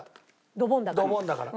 ドボンだから。